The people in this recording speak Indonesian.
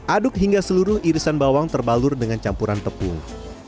aduk hingga seluruh irisan bawang terbalur dengan campuran tepung